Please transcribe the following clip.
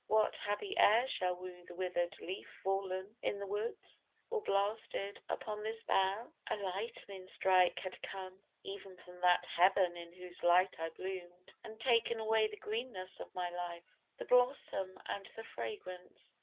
What happy air shall woo The wither'd leaf fall'n in the woods, or blasted Upon this bough? a lightning stroke had come Even from that Heaven in whose light I bloom'd And taken away the greenness of my life, The blossom and the fragrance.